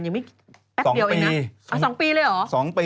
ยังไม่แป๊กเดียวเองนะ๒ปี